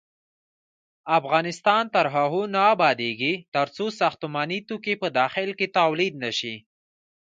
افغانستان تر هغو نه ابادیږي، ترڅو ساختماني توکي په داخل کې تولید نشي.